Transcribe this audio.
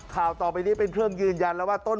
ข่าวต่อไปนี้เป็นเครื่องยืน